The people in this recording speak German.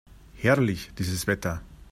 Herrlich, dieses Wetter!